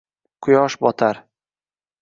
Quyosh botar